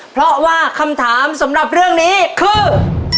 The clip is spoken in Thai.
เพราะว่าคำถามสำหรับเรื่องนี้คือ